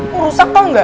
lu rusak tau gak